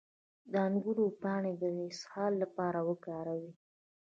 د انګور پاڼې د اسهال لپاره وکاروئ